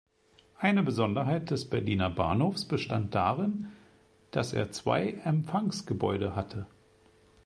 Eine Besonderheit des Berliner Bahnhofs bestand darin, dass er zwei Empfangsgebäude hatte.